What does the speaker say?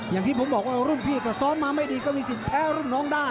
อย่างที่ผมบอกว่ารุ่นพี่ก็ซ้อนมาไม่ดีก็มีสิทธิแพ้รุ่นน้องได้